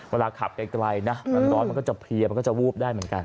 เวลาขับไกลนะมันร้อนมันก็จะเพลียมันก็จะวูบได้เหมือนกัน